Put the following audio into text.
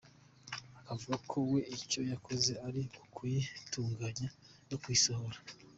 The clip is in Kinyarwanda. Akavuga ko we icyo yakoze ari ukuyitunganya no kuyisohora.